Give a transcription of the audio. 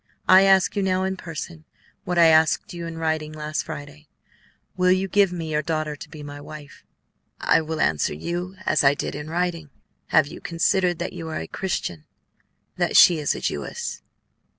I ask you now, in person, what I asked you in writing last Friday, will you give me your daughter to be my wife?" "I will answer you as I did in writing. Have you considered that you are a Christian; that she is a Jewess?"